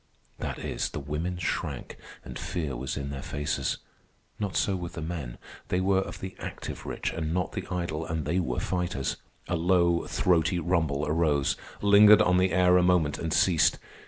That is, the women shrank, and fear was in their faces. Not so with the men. They were of the active rich, and not the idle, and they were fighters. A low, throaty rumble arose, lingered on the air a moment, and ceased.